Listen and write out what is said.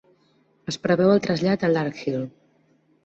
Es preveu el trasllat a Larkhill.